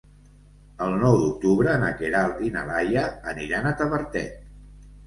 El nou d'octubre na Queralt i na Laia aniran a Tavertet.